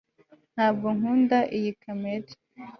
ntabwo nkunda iyi kamera